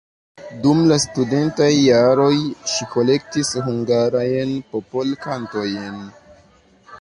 Dum la studentaj jaroj ŝi kolektis hungarajn popolkantojn.